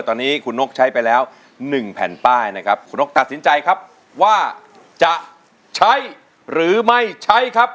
ตอนนี้คุณนกใช้ไปแล้ว๑แผ่นป้ายนะครับคุณนกตัดสินใจครับว่าจะใช้หรือไม่ใช้ครับ